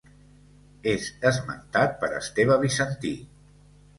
És esmentat per Esteve Bizantí.